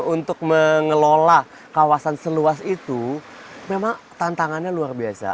untuk mengelola kawasan seluas itu memang tantangannya luar biasa